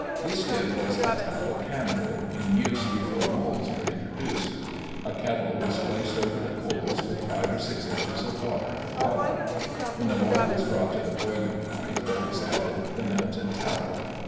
This dip was a tallow candle, in use before moulds were introduced. A kettle was placed over the coals with five or six inches of water in the bottom. When the water was brought to the boiling point there was added the melted tallow.